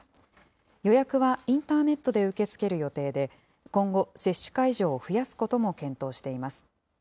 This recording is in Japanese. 予約はインターネットで受け付ける予定で、今後、接種会場を増やすことも検討しています。